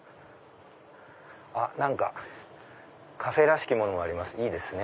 カフェらしきものもありますいいですね。